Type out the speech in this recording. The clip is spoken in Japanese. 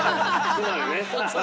つまりね。